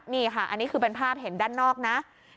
นี่ค่ะอันนี้คือเป็นภาพเห็นด้านนอกนะ